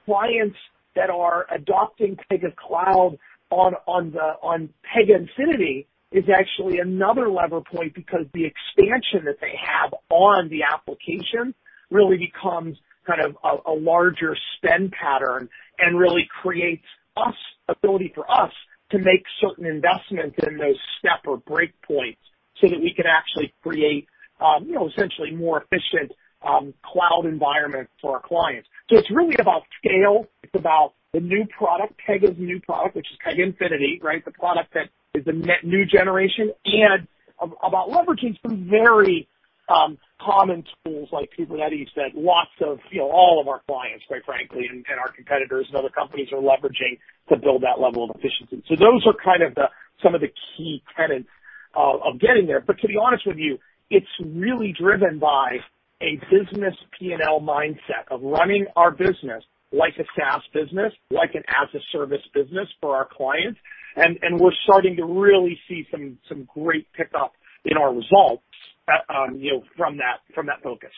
Speaker 2: Clients that are adopting Pega Cloud on Pega Infinity is actually another lever point because the expansion that they have on the application really becomes kind of a larger spend pattern and really creates ability for us to make certain investments in those step or break points so that we can actually create essentially more efficient cloud environment for our clients. It's really about scale. It's about the new product, Pega's new product, which is Pega Infinity, right? The product that is the new generation, and about leveraging some very common tools like Kubernetes that lots of, all of our clients, quite frankly, and our competitors and other companies are leveraging to build that level of efficiency. Those are kind of some of the key tenets of getting there. To be honest with you, it's really driven by a business P&L mindset of running our business like a SaaS business, like an as-a-service business for our clients. We're starting to really see some great pickup in our results from that focus.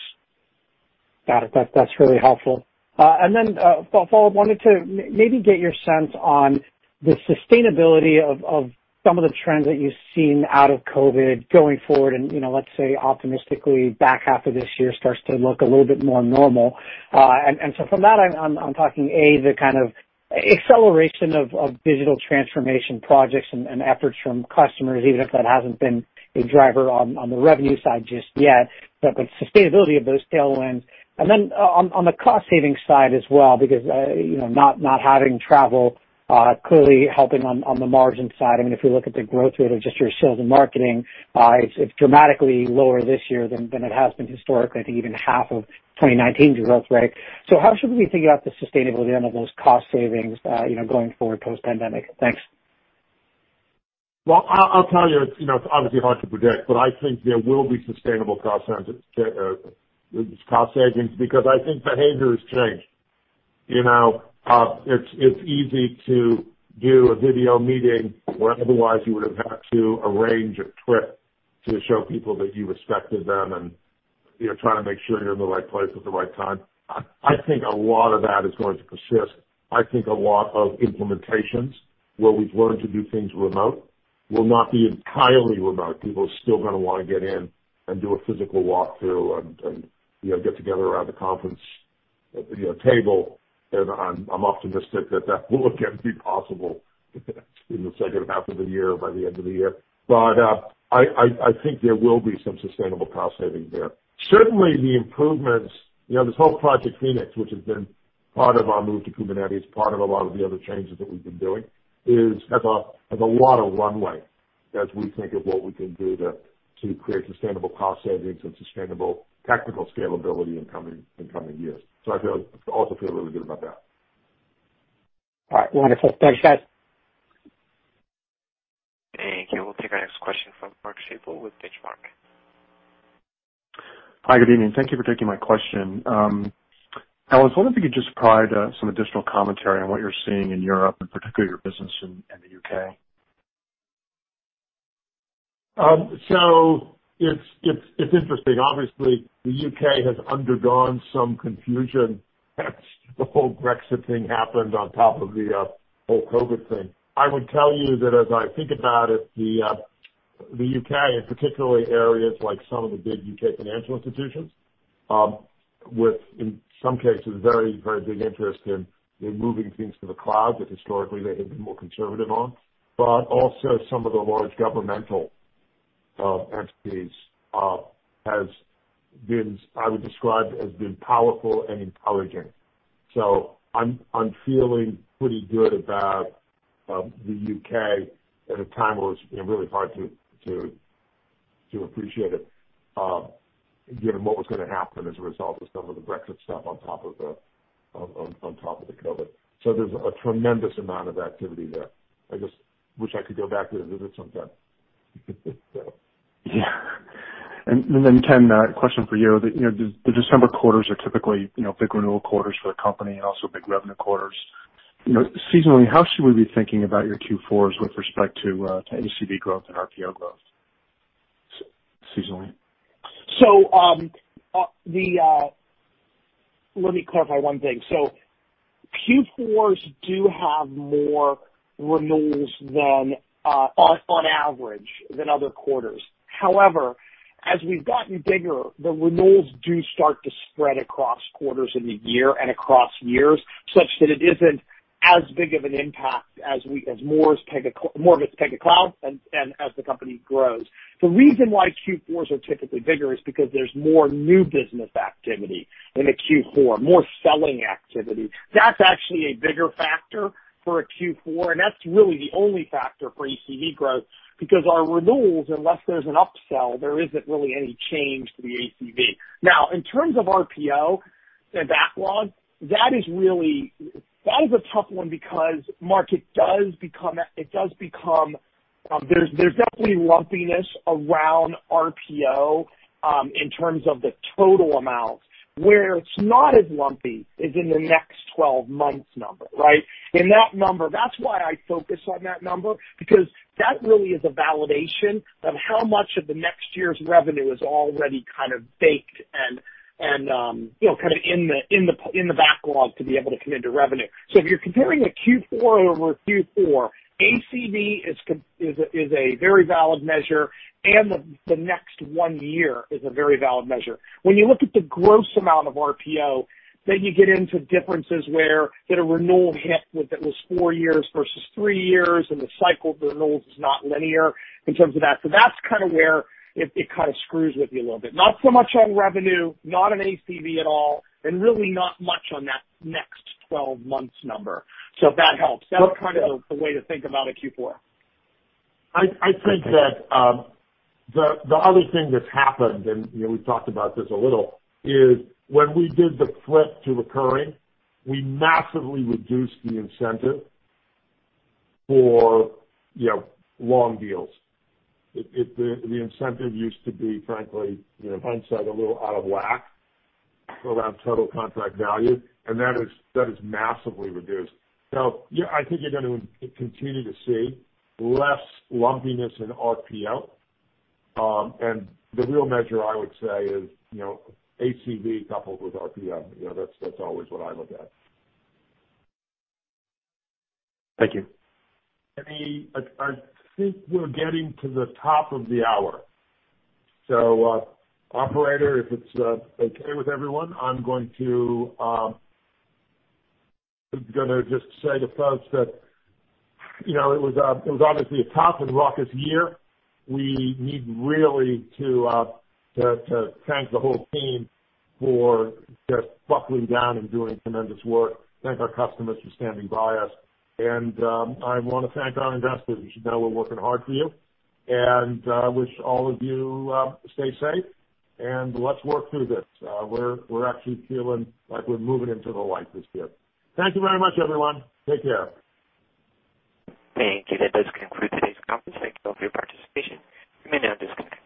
Speaker 9: Got it. That's really helpful. I wanted to maybe get your sense on the sustainability of some of the trends that you've seen out of COVID going forward and, let's say optimistically, back half of this year starts to look a little bit more normal. From that, I'm talking, A, the kind of acceleration of digital transformation projects and efforts from customers, even if that hasn't been a driver on the revenue side just yet, but sustainability of those tailwinds. On the cost-saving side as well, because not having travel clearly helping on the margin side. I mean, if you look at the growth rate of just your sales and marketing, it's dramatically lower this year than it has been historically. I think even half of 2019 growth rate. How should we think about the sustainability of those cost savings going forward post-pandemic? Thanks.
Speaker 3: Well, I'll tell you, it's obviously hard to predict, but I think there will be sustainable cost savings because I think behavior has changed. It's easy to do a video meeting where otherwise you would have had to arrange a trip to show people that you respected them and trying to make sure you're in the right place at the right time. I think a lot of that is going to persist. I think a lot of implementations where we've learned to do things remote will not be entirely remote. People are still going to want to get in and do a physical walkthrough and get together around the conference table. I'm optimistic that that will again be possible in the second half of the year, by the end of the year. I think there will be some sustainable cost savings there. Certainly the improvements, this whole Project Phoenix, which has been part of our move to Kubernetes, part of a lot of the other changes that we've been doing, has a lot of runway as we think of what we can do to create sustainable cost savings and sustainable technical scalability in coming years. I also feel really good about that.
Speaker 9: All right. Wonderful. Thanks, guys.
Speaker 1: Thank you. We'll take our next question from Mark Schappel with Benchmark.
Speaker 10: Hi, good evening. Thank you for taking my question. I was wondering if you could just provide some additional commentary on what you're seeing in Europe, and particularly your business in the U.K.
Speaker 3: It's interesting. Obviously, the U.K. has undergone some confusion as the whole Brexit thing happened on top of the whole COVID thing. I would tell you that as I think about it, the U.K., and particularly areas like some of the big U.K. financial institutions, with, in some cases, very big interest in moving things to the cloud that historically they have been more conservative on. Also some of the large governmental entities has been, I would describe, as been powerful and intelligent. I'm feeling pretty good about the U.K. at a time when it's been really hard to appreciate it, given what was going to happen as a result of some of the Brexit stuff on top of the COVID. There's a tremendous amount of activity there. I just wish I could go back there to visit sometime.
Speaker 10: Yeah. Ken, a question for you. The December quarters are typically big renewal quarters for the company and also big revenue quarters. Seasonally, how should we be thinking about your Q4s with respect to ACV growth and RPO growth? Seasonally.
Speaker 2: Let me clarify one thing. Q4s do have more renewals on average than other quarters. As we've gotten bigger, the renewals do start to spread across quarters in the year and across years, such that it isn't as big of an impact as more of it's Pega Cloud and as the company grows. The reason why Q4s are typically bigger is because there's more new business activity in a Q4, more selling activity. That's actually a bigger factor for a Q4, and that's really the only factor for ACV growth, because our renewals, unless there's an upsell, there isn't really any change to the ACV. In terms of RPO and backlog, that is a tough one because there's definitely lumpiness around RPO, in terms of the total amount. Where it's not as lumpy is in the next 12 months number, right? That number, that's why I focus on that number, because that really is a validation of how much of the next one year's revenue is already kind of baked and kind of in the backlog to be able to come into revenue. If you're comparing a Q4 over Q4, ACV is a very valid measure, and the next one year is a very valid measure. When you look at the gross amount of RPO, you get into differences where get a renewal hit that was four years versus three years, and the cycle of renewals is not linear in terms of that. That's kind of where it kind of screws with you a little bit. Not so much on revenue, not on ACV at all, and really not much on that next 12 months number. If that helps, that's kind of the way to think about a Q4.
Speaker 3: I think that the other thing that's happened, and we've talked about this a little, is when we did the flip to recurring, we massively reduced the incentive for long deals. The incentive used to be, frankly, hindsight a little out of whack around total contract value, and that is massively reduced. I think you're going to continue to see less lumpiness in RPO. The real measure, I would say, is ACV coupled with RPO. That's always what I look at.
Speaker 10: Thank you.
Speaker 3: I think we're getting to the top of the hour. Operator, if it's okay with everyone, I'm going to just say to folks that it was obviously a tough and raucous year. We need really to thank the whole team for just buckling down and doing tremendous work, thank our customers for standing by us. I want to thank our investors. You should know we're working hard for you, and I wish all of you stay safe, and let's work through this. We're actually feeling like we're moving into the light this year. Thank you very much, everyone. Take care.
Speaker 1: Thank you. That does conclude today's conference. Thank you all for your participation. You may now disconnect.